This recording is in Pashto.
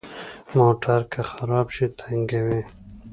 موټر که خراب شي، تنګوي.